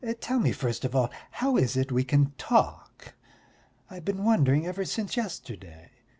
Tell me first of all how it is we can talk? I've been wondering ever since yesterday.